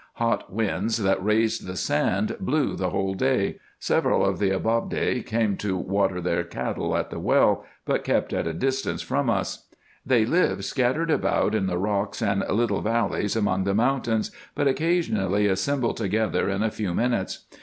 Hot winds, that raised the sand, blew the whole day. Several of the Ababde came to water their cattle at the well, but kept at a distance from us. They live scattered about in the rocks and little valleys among the mountains, but occasionally assemble together in a few minutes.